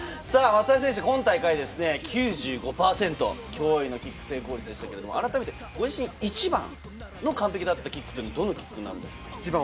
松田選手、今大会は９５％の驚異のキック成功率でしたが、改めてご自身でイチバンの完璧だったキックは、どのキックですか？